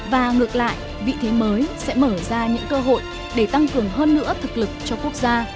và ngược lại vị thế mới sẽ mở ra những cơ hội để tăng cường hơn nữa thực lực cho quốc gia